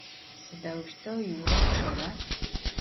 Sıdeuşteu Yüra ççera?